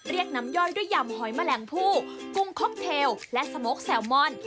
เรียกน้ำย่อยด้วยยำหอยแมลงผู้กุ้งค็อกเทลและสมคแซลมอน